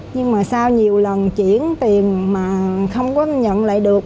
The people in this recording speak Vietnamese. nhưng mà sau nhiều lần chuyển tiền mà không có nhận lại được